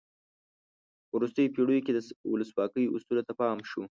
په وروستیو پیړیو کې د ولسواکۍ اصولو ته پام شو.